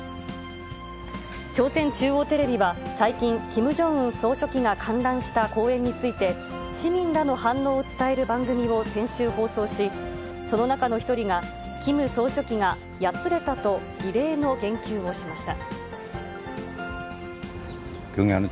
朝鮮中央テレビは最近、キム・ジョンウン総書記が観覧した公演について、市民らの反応を伝える番組を先週放送し、その中の一人が、キム総書記がやつれたと、異例の言及をしました。